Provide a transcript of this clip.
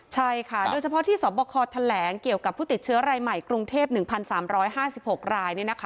ใช่ค่ะโดยเฉพาะที่สบคแถลงเกี่ยวกับผู้ติดเชื้อรายใหม่กรุงเทพ๑๓๕๖ราย